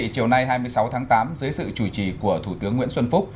chiều nay hai mươi sáu tháng tám dưới sự chủ trì của thủ tướng nguyễn xuân phúc